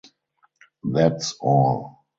That’s all.